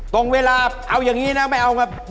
ตรงเวลาเอาอย่างนี้นะไม่เอาครับ